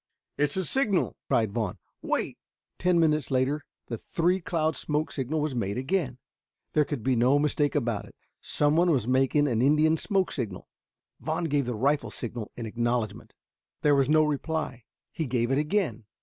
"It's a signal!" cried Vaughn. "Wait!" Ten minutes later the three cloud smoke signal was made again. There could be no mistake about it. Someone was making an Indian smoke signal. Vaughn gave the rifle signal in acknowledgment. There was no reply. He gave it again.